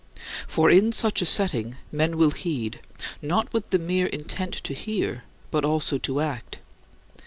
For in such a setting, men will heed, not with the mere intent to hear, but also to act.